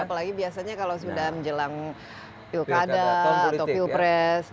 apalagi biasanya kalau sudah menjelang pilkada atau pilpres